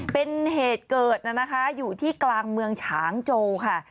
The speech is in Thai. เป็นเหตุเกิดนะคะอยู่ที่กลางเมืองฉางโจค่ะ